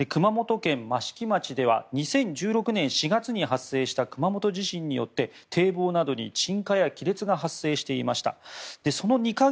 熊本県益城町では２０１６年４月に発生した熊本地震によって堤防などに沈下や亀裂が発生していました。